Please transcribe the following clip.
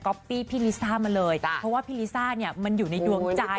ปี้พี่ลิซ่ามาเลยเพราะว่าพี่ลิซ่าเนี่ยมันอยู่ในดวงใจ